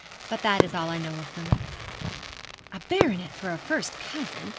But that is all I know of them.' A baronet for a first cousin!